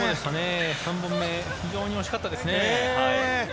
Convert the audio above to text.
３本目、非常に惜しかったです。